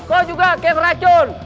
kau juga kayak ngeracun